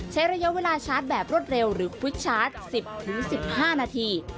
ใช้ระยะเวลาชาร์จแบบรวดเร็วหรือควิดชาร์จ๑๐๑๕นาที